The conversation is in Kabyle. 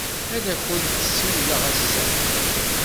Ad akent-d-siwleɣ ass-a.